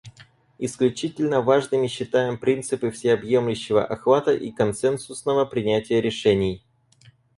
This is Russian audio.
Исключительно важными считаем принципы всеобъемлющего охвата и консенсусного принятия решений.